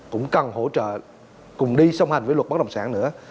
cũng cần hỗ trợ cùng đi song hành với luật bất động sản nữa